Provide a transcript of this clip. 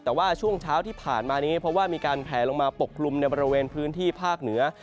แต่ว่าช่วงเช้าที่ผ่านมานี้เพราะว่ามีการแผลลงมาปกคลุมในบริเวณพื้นที่ภาคเหนือ